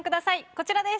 こちらです。